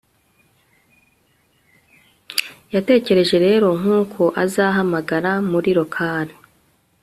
yatekereje rero nkuko azahamagara muri 'local